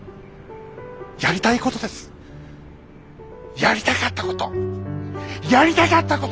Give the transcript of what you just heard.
やりたかったことやりたかったこと！